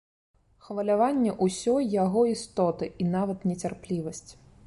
Хваляванне ўсёй яго істоты і нават нецярплівасць.